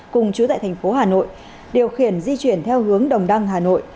cùng chú tại thành phố hà nội điều khiển di chuyển theo hướng đồng đăng hà nội